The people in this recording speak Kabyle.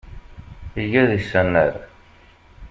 Iga deg-s annar.